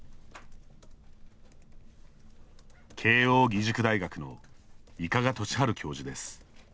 慶應義塾大学の伊香賀俊治教授です。